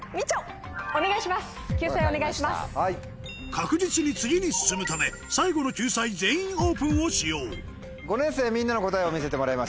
確実に次に進むため最後の救済「全員オープン」を使用５年生みんなの答えを見せてもらいましょう。